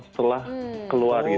setelah keluar gitu